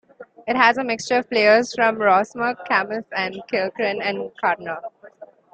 It has a mixture of players from Rosmuc, Camus, Kilkerrin and Carna.